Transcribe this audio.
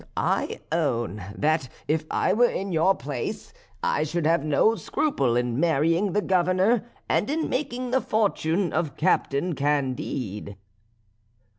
I own, that if I were in your place, I should have no scruple in marrying the Governor and in making the fortune of Captain Candide."